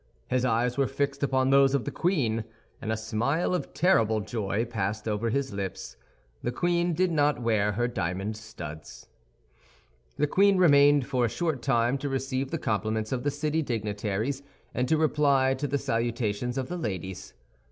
His eyes were fixed upon those of the queen, and a smile of terrible joy passed over his lips; the queen did not wear her diamond studs. The queen remained for a short time to receive the compliments of the city dignitaries and to reply to the salutations of the ladies.